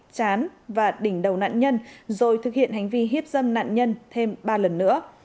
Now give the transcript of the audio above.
chán và đỉnh đầu nạn nhân rồi thực hiện hành vi hiếp dâm nạn nhân thêm ba lần nữa